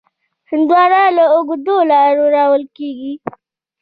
هندوانه له اوږده لاره راوړل کېږي.